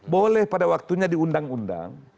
boleh pada waktunya di undang undang